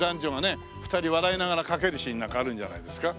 ２人笑いながら駆けるシーンなんかあるんじゃないですか？